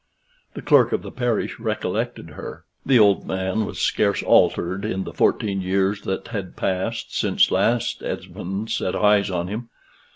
The clerk of the parish recollected her the old man was scarce altered in the fourteen years that had passed since last Esmond set eyes on him.